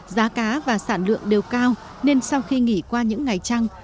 giá cá và sản lượng đều cao nên sau khi nghỉ qua nhà tàu sẽ tiếp tục vào cảng bán cá